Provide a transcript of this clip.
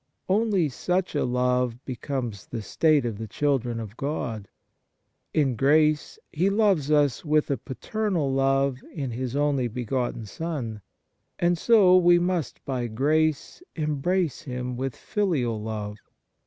Only such a love becomes the state of the children of God. In grace He loves us with a paternal love in His only begotten Son, and so we must by grace embrace Him with filial love.